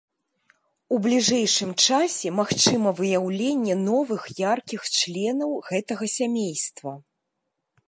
У бліжэйшым часе магчыма выяўленне новых яркіх членаў гэтага сямейства.